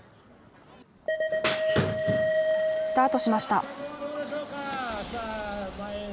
スタートしました。